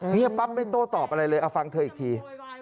เงียบปั๊บไม่โต้ตอบอะไรเลยเอาฟังเธออีกที